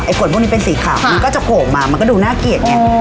คนพวกนี้เป็นสีขาวมันก็จะโผล่ออกมามันก็ดูน่าเกลียดไง